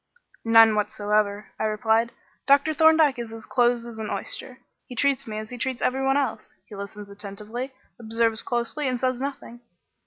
"None whatever," I replied. "Dr. Thorndyke is as close as an oyster. He treats me as he treats every one else he listens attentively, observes closely, and says nothing."